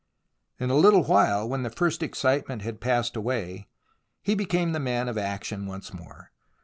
In a little while, when the first excitement had passed away, he became the man of action once more.